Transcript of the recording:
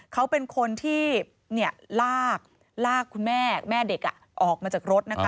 เขาเป็นคนที่ลากลากคุณแม่แม่เด็กออกมาจากรถนะคะ